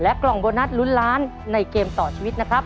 กล่องโบนัสลุ้นล้านในเกมต่อชีวิตนะครับ